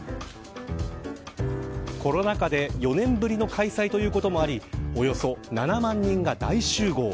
コロナ禍で４年ぶりの開催ということもありおよそ７万人が大集合。